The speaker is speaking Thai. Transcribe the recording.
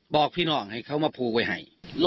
บอกพี่น้องให้เขามาผูกไว้ให้